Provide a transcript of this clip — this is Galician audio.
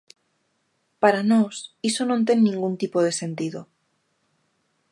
Para nós, iso non ten ningún tipo de sentido.